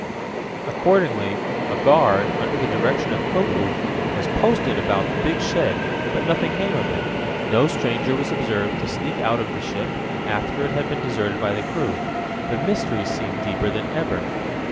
Accordingly, a guard, under the direction of Koku, was posted about the big shed, but nothing came of it. No stranger was observed to sneak out of the ship, after it had been deserted by the crew. The mystery seemed deeper than ever.